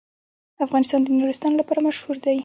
افغانستان د نورستان لپاره مشهور دی.